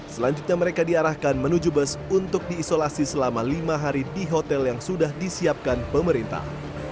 selanjutnya mereka diarahkan menuju bus untuk diisolasi selama lima hari di hotel yang sudah disiapkan pemerintah